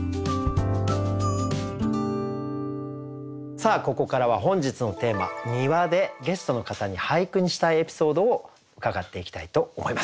さあここからは本日のテーマ「庭」でゲストの方に俳句にしたいエピソードを伺っていきたいと思います。